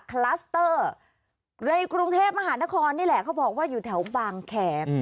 คลัสเตอร์ในกรุงเทพมหานครนี่แหละเขาบอกว่าอยู่แถวบางแขก